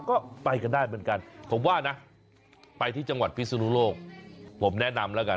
ก็ไปกันได้เหมือนกันผมว่านะไปที่จังหวัดคนศูนย์โลก